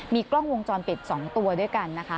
มีกล้องวงจรปิด๒ตัวด้วยกันนะคะ